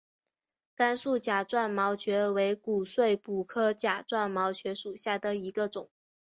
甘肃假钻毛蕨为骨碎补科假钻毛蕨属下的一个种。